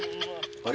あれ？